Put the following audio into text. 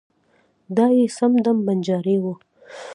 دای یې سم دم بنجارۍ و.